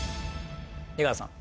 出川さん